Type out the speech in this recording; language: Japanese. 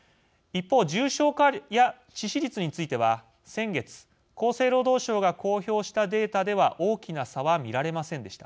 一方、重症化や致死率については先月、厚生労働省が公表したデータでは大きな差は見られませんでした。